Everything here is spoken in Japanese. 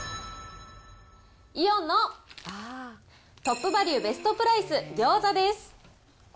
イオンのトップバリュベストプライスギョーザです。